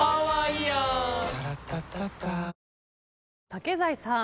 竹財さん。